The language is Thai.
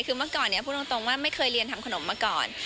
คือเมื่อก่อนนี้พูดตรงว่าไม่เคยเรียนทำขนมมาก่อน